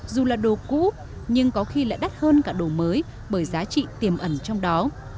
dù là đồ cũ nhưng có khi lại đắt hơn cả đồ mới bởi giá trị tiềm ẩn trong đó